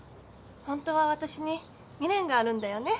ホントは私に未練があるんだよね？